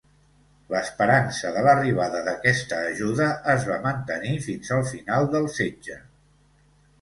L'esperança de l'arribada d'aquesta ajuda es va mantenir fins al final del setge.